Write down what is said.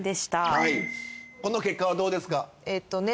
はいこの結果はどうですか？